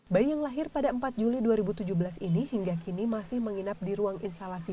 bayi yang lahir pada empat juli dua ribu tujuh belas ini hingga kini masih menginap di ruang instalasi